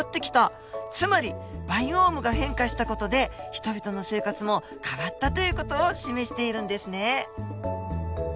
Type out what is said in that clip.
つまりバイオームが変化した事で人々の生活も変わったという事を示しているんですね。